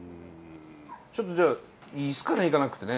ちょっとじゃあいいっすかね行かなくてね。